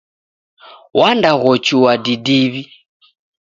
Wandaghochua didiw'i.